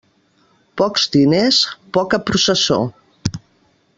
Pocs diners, poca processó.